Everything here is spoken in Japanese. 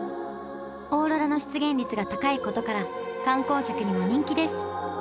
オーロラの出現率が高いことから観光客にも人気です。